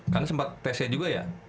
kan sempat tc juga ya